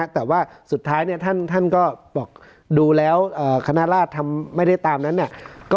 แต่ว่าสุดท้ายท่านก็บอกดูแล้วคณะราชทำไม่ได้ตามนั้นเนี่ย